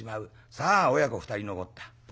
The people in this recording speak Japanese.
さあ親子２人残った。